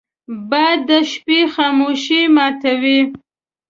باد د شپې خاموشي ماتوي